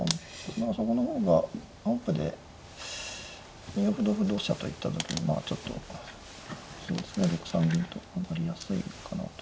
まあそこの方が本譜で２四歩同歩同飛車と行った時にまあちょっと６三銀と上がりやすいかなと。